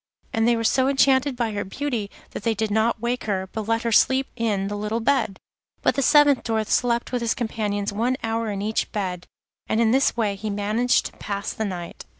And they were so enchanted by her beauty that they did not wake her, but let her sleep on in the little bed. But the seventh Dwarf slept with his companions one hour in each bed, and in this way he managed to pass the night.